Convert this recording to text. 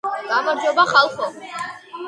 გამარჯობა ხალხო